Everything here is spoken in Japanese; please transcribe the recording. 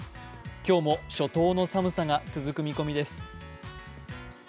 今日も初冬の寒さが続く見込みです。